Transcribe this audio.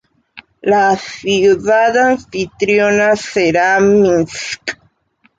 La ciudad anfitriona será Minsk.